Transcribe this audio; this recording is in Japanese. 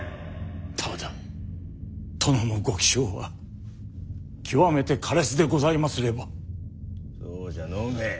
ただ殿のご気性は極めて苛烈でございますればそうじゃ飲め。